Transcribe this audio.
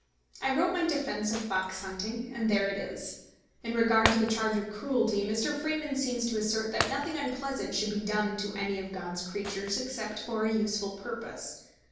I wrote my defence of fox hunting, and there it is. In regard to the charge of cruelty, Mr. Freeman seems to assert that nothing unpleasant should be done to any of God's creatures except for a useful purpose.